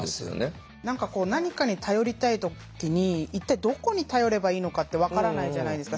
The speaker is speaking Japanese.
何かこう何かに頼りたい時に一体どこに頼ればいいのかって分からないじゃないですか。